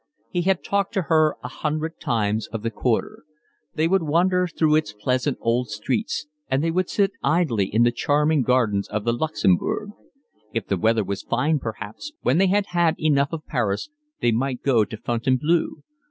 He had talked to her a hundred times of the Quarter. They would wander through its pleasant old streets, and they would sit idly in the charming gardens of the Luxembourg. If the weather was fine perhaps, when they had had enough of Paris, they might go to Fontainebleau.